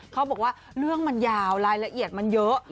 เขาบอกว่าเรื่องมันยาวรายละเอียดมันเยอะ